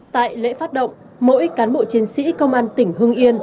tại lễ phát động mỗi cán bộ chiến sĩ công an tỉnh hưng yên